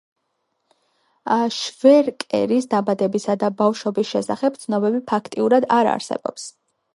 შვერკერის დაბადებისა და ბავშვობის შესახებ ცნობები ფაქტიურად არ არსებობს.